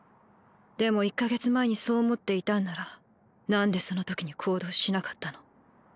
でも１か月前にそう思っていたんなら何でその時に行動しなかったの？